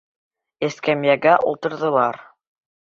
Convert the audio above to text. Эскәмйәгә ултырҙылар.